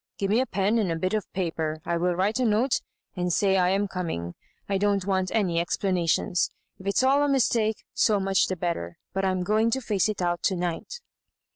Give me a pen and a hit of paper. I will write a note, and say I am coming. I don't want any explanations. If it's all a mistake, so much the better ; hut I'm going to face it out to night."